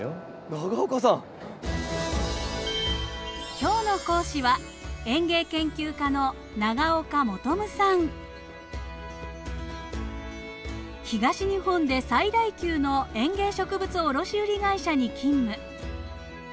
今日の講師は東日本で最大級の園芸植物卸売り会社に勤務。